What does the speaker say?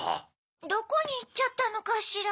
どこにいっちゃったのかしら？